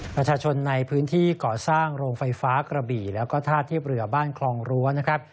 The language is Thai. ประชาชนในพื้นที่ก่อสร้างโรงไฟฟ้ากระบี่แล้วก็ท่าเทียบเรือบ้านคลองรั้วนะครับ